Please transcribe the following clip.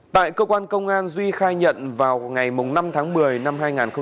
tại cơ quan công an duy khai nhận vào ngày năm tháng một mươi năm hai nghìn hai mươi ba